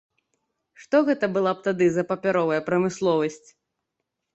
Што гэта была б тады за папяровая прамысловасць!